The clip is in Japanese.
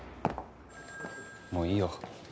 もういいよ。